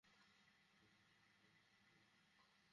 আমাকে চোখ রাঙাচ্ছিস কেন, বে?